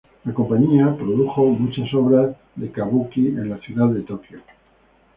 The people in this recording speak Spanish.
La compañía produjo muchas obras de kabuki en la ciudad de Tokio.